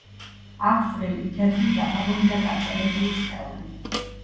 აქვს წვრილი ქერცლით დაფარული და წაგრძელებული სხეული.